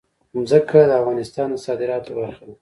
ځمکه د افغانستان د صادراتو برخه ده.